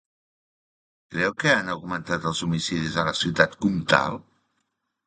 Creu que han augmentat els homicidis a la ciutat comtal?